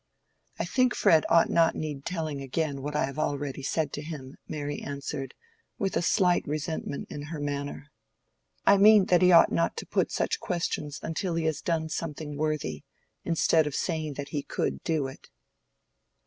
"I think Fred ought not to need telling again what I have already said to him," Mary answered, with a slight resentment in her manner. "I mean that he ought not to put such questions until he has done something worthy, instead of saying that he could do it."